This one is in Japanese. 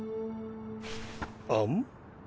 あん？